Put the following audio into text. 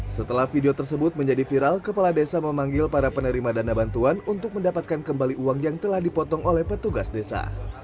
setelah video tersebut menjadi viral kepala desa memanggil para penerima dana bantuan untuk mendapatkan kembali uang yang telah dipotong oleh petugas desa